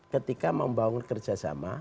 ketika membangun kerjasama